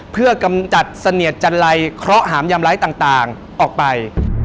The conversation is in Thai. เพื่อกำจัดเสนียดจันไรเคราะหหามยามไร้ต่างออกไป